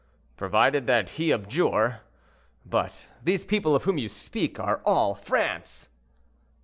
"Provided that he abjure. But these people of whom you speak are all France."